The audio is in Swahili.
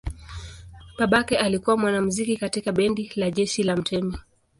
Babake alikuwa mwanamuziki katika bendi la jeshi la mtemi.